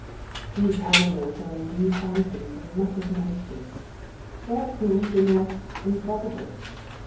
These animals are indeed phantoms as much as monsters. They are proved and yet improbable.